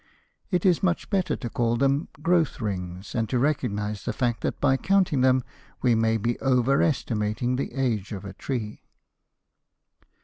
It is much better to call them "growth rings," and to recognize the fact that by counting them we may be overestimating the age of a tree.